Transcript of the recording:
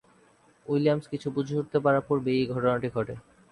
Williams কিছু বুঝে উঠতে পারার পূর্বেই, এই ঘটনাটি ঘটে।